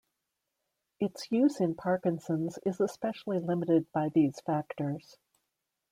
Its use in Parkinson's is especially limited by these factors.